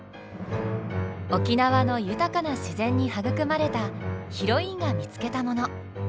沖縄の豊かな自然に育まれたヒロインが見つけたもの。